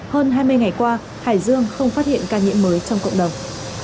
hơn hai mươi ngày qua hải dương không phát hiện ca nhiễm mới trong cộng đồng